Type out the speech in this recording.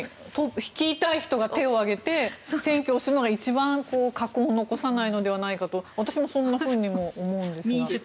率いたい人が手を挙げて選挙をするのが一番禍根を残さないのではないかと私もそんなふうにも思うんですが。